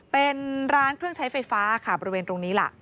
เป็นร้านเครื่องใช้ไฟฟ้าค่ะบริเวณตรงนี้ล่ะ